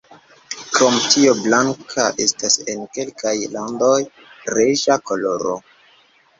Krom tio blanka estas en kelkaj landoj reĝa koloro.